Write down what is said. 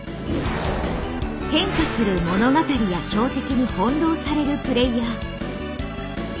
変化する物語や強敵に翻弄されるプレイヤー。